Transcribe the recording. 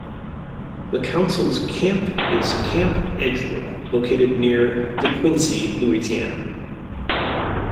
The Council's Camp is Camp Edgewood, located near DeQuincy, Louisiana.